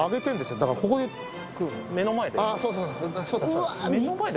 だからここで目の前で？